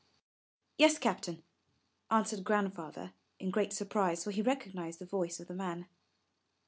Yes, Captain," answered Grandfather in great surprise, for he recognized the voice of the man.